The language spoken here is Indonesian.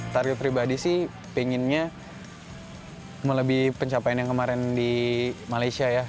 target pribadi sih pengennya melebihi pencapaian yang kemarin di malaysia ya